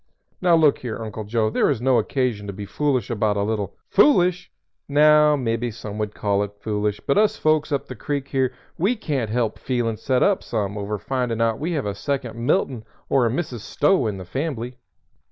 Now look here, Uncle Joe, there is no occasion to be foolish about a little " "Foolish? Now, mebby some would call it foolish, but us folks up the creek here we can't help feelin' set up some over findin' out we have a second Milton or a Mrs. Stowe in the fambly."